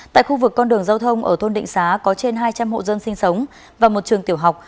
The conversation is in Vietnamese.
tại khu vực con đường giao thông ở thôn định xá có trên hai trăm linh hộ dân sinh sống và một trường tiểu học